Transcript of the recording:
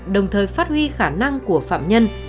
đồng thời phát huy khả năng của phạm nhân